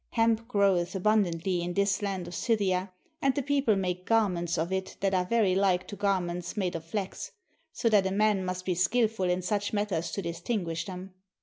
(Hemp groweth abundantly in this land of Scythia, and the people make garments of it that are very Hke to garments made of flax, so that a man must be skillful in such matters to distinguish them.)